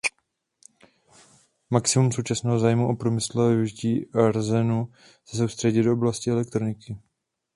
Maximum současného zájmu o průmyslové využití arsenu se soustřeďuje do oblasti elektroniky.